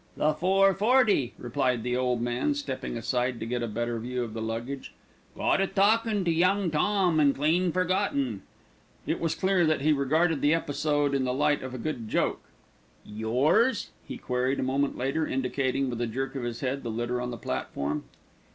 "The four forty," replied the old man, stepping aside to get a better view of the luggage. "Got a talkin' to Young Tom an' clean forgot un." It was clear that he regarded the episode in the light of a good joke. "Yours?" he queried a moment later, indicating with a jerk of his head the litter on the platform.